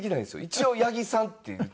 一応「八木さん」って。